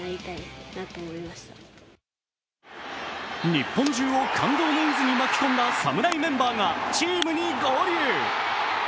日本中を感動の渦に巻き込んだ侍メンバーがチームに合流。